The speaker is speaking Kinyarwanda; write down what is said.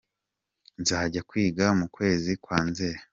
nzajya kwiga mukwezi kwa nzeri